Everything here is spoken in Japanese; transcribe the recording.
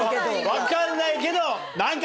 分かんないけど。